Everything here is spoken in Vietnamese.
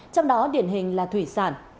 trong đó điển hình là thủy sản